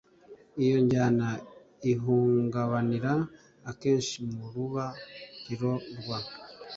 iyo njyana ihungabanira akenshi mu ruba riro rwa